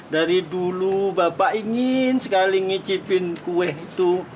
dari dulu bapak ingin sekali ngicipin kue itu